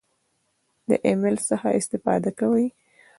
د ایمیل څخه استفاده کوئ؟